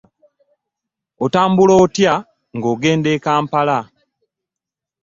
Otambula otya nga ogenda e'Kampala?